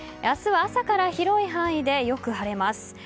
明日は朝から広い範囲でよく晴れます。